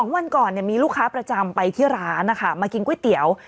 วันก่อนมีลูกค้าประจำไปที่ร้านนะคะมากินก๋วยเตี๋ยว